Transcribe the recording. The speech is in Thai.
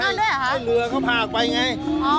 ยังนั่นด้วยหรอคะให้เรือเขาพาออกไปไง